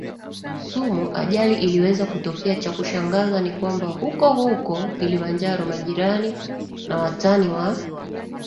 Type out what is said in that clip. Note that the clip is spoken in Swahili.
sumu ajali iliweza kutokea Cha kushangaza ni kwamba hukohuko Kilimanjaro majirani na watani wa